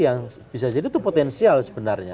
yang bisa jadi itu potensial sebenarnya